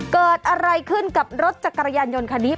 เกิดอะไรขึ้นกับรถจักรยานยนต์คันนี้